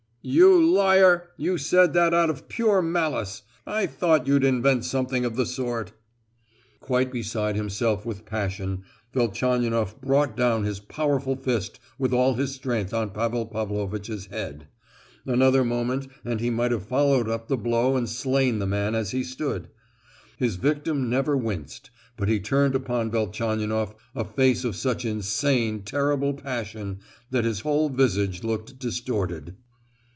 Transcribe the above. "You liar! You said that out of pure malice. I thought you'd invent something of the sort!" Quite beside himself with passion Velchaninoff brought down his powerful fist with all his strength on Pavel Pavlovitch's head; another moment and he might have followed up the blow and slain the man as he stood. His victim never winced, but he turned upon Velchaninoff a face of such insane terrible passion, that his whole visage looked distorted.